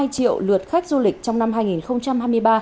hai mươi hai triệu lượt khách du lịch trong năm hai nghìn hai mươi ba